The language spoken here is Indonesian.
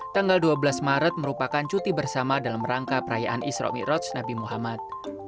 tanggal dua belas maret merupakan cuti bersama dalam rangka perayaan israq ⁇ roj nabi muhammad